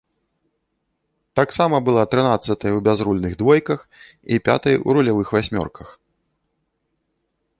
Таксама была трынаццатай у бязрульных двойках і пятай у рулявых васьмёрках.